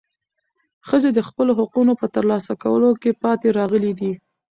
ښځې د خپلو حقوقو په ترلاسه کولو کې پاتې راغلې دي.